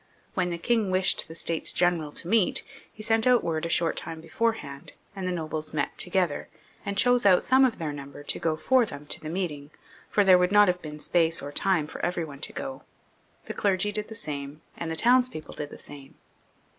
When the king wished the States General to meet, he sent out word a short time beforehand, and the nobles met together, and chose out some of their number to go for them to the meeting ; for there would not have been space or time for every one to go. The clergy did the same, and the townspeople the same.